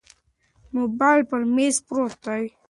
موبایل پر مېز پروت دی.